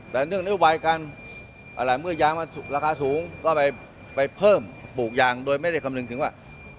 แต่เนื่องนโยบายการอะไรเมื่อยางมันราคาสูงก็ไปเพิ่มปลูกยางโดยไม่ได้คำนึงถึงว่า